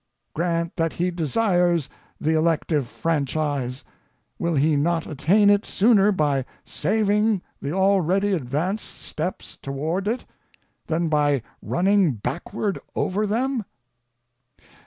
Grant that he desires the elective franchise, will he not attain it sooner by saving the already advanced steps toward it, than by running backward over them?